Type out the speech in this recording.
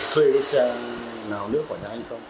thuê cái xe nào nữa của nhà anh không